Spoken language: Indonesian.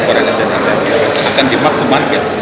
kandasnya dan sentral akan dimaklumatkan